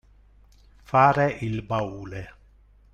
Fare il baule.